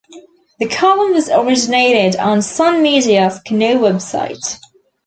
The column was originated on Sun Media's Canoe website.